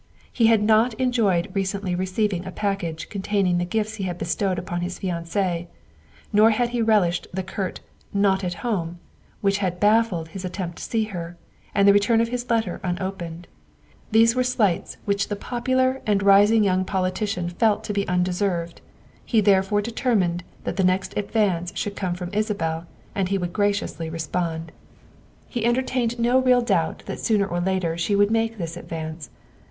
He had not enjoyed recently receiving a package containing the gifts he had bestowed upon his fiancee; nor had he relished the curt " Not at home" which had baffled his attempt to see her, and the return of his letter un opened. These were slights which the popular and rising young politician felt to be undeserved, he therefore de termined that the next advance should come from Isa bel, and he would graciously respond. He entertained THE SECRETARY OF STATE 243 no real doubt that sooner or later she would make this advance.